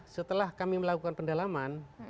setelah kami melakukan pendalaman